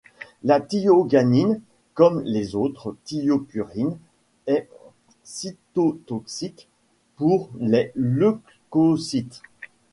La thioguanine, comme les autres thiopurines, est cytotoxique pour les leucocytes.